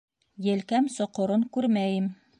Елкәм соҡорон күрмәйем